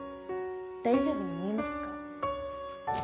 大丈夫に見えますか？